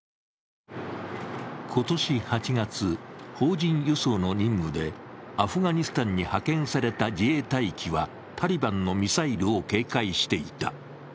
今年８月、邦人輸送の任務でアフガニスタンに派遣された自衛隊機はタリバンのミサイルを警戒していた。